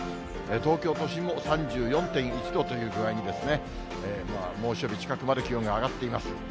東京都心も３４．１度という具合に、猛暑日近くまで気温が上がっています。